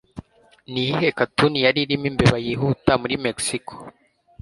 Niyihe Cartoon yaririmo imbeba yihuta muri Mexico?